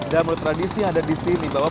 dan menurut tradisi yang ada di sini